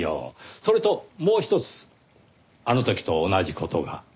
それともうひとつあの時と同じ事が。